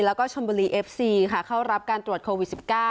แล้วก็ชนบุรีเอฟซีค่ะเข้ารับการตรวจโควิด๑๙